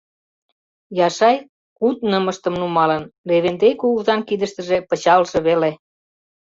Яшай куд нымыштым нумалын, Левентей кугызан кидыштыже пычалже веле.